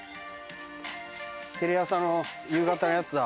テレ朝の夕方のやつだ。